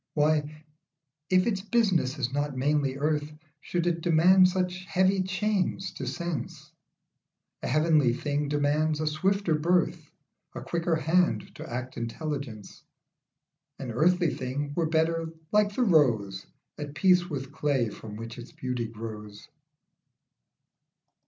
Why, if its business is not mainly earth, Should it demand such heavy chains to sense ? A heavenly thing demands a swifter birth, A quicker hand to act intelligence ; An earthly thing were better like the rose, At peace with clay from which its beauty grows.